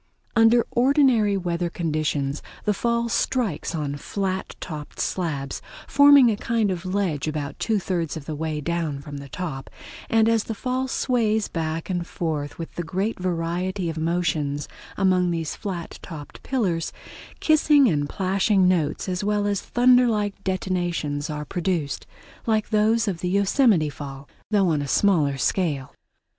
Under ordinary weather conditions the fall strikes on flat topped slabs, forming a kind of ledge about two thirds of the way down from the top, and as the fall sways back and forth with great variety of motions among these flat topped pillars, kissing and plashing notes as well as thunder like detonations are produced, like those of the Yosemite Fall, though on a smaller scale.